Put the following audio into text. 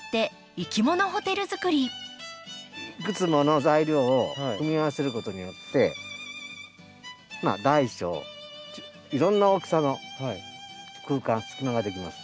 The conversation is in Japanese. いくつもの材料を組み合わせることによって大小いろんな大きさの空間隙間ができます。